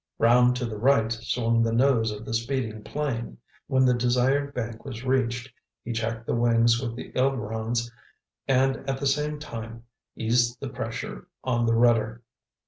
Round to the right swung the nose of the speeding plane. When the desired bank was reached, he checked the wings with the ailerons and at the same time eased the pressure on the rudder.